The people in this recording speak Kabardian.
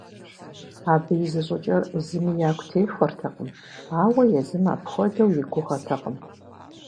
Абы и зыщӏыкӏэр зыми ягу техуэртэкъым, ауэ езым апхуэдэу и гугъэтэкъым.